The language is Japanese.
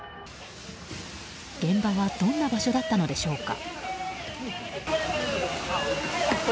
現場はどんな場所だったのでしょうか。